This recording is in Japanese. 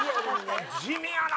地味やな！